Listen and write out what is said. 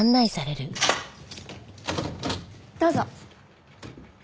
どうぞ。